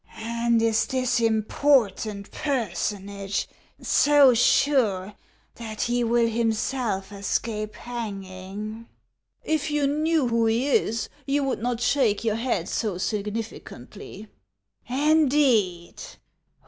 " And is this important personage so sure that he will himself escape hanging ?"" If you knew who lie is, you would not shake your head so significantly." " Indeed